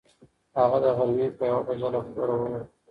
هغه د غرمې په یوه بجه له کوره ووت.